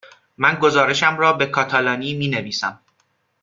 من گزارشم را به کاتالانی می نویسم.